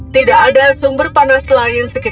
tidak ada sumber panas lain di bumi